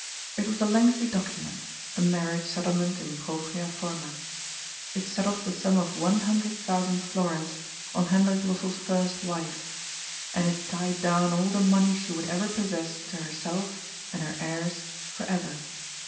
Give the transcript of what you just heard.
It was a lengthy document, a marriage settlement in propriA formd. It settled the sum of one hundred thousand florins on Hendrik Lossell's first wife, and it tied down all the money she would ever possess to herself and her heirs for ever.